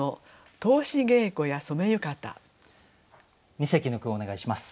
二席の句をお願いします。